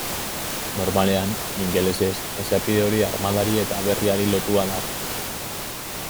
Normalean, ingelesez, esapide hori armadari eta aberriari lotua dago.